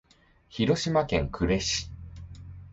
広島県呉市